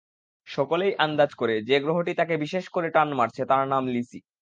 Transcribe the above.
সকলেই আন্দাজ করে, যে গ্রহটি তাকে বিশেষ করে টান মারছে তার নাম লিসি।